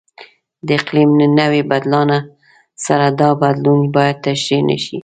د اقلیم له نوي بدلانه سره دا بدلون باید تشریح نشي.